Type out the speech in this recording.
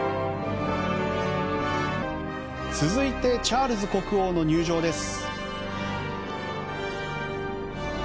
続いてチャールズ国王の入場です。